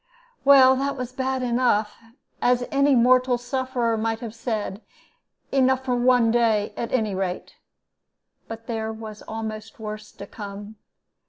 "Well, that was bad enough, as any mortal sufferer might have said; enough for one day at any rate. But there was almost worse to come.